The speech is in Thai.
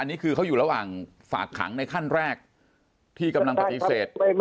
อันนี้คือเขาอยู่ระหว่างฝากขังในขั้นแรกที่กำลังปฏิเสธ